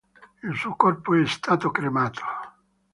Il suo corpo è stato cremato.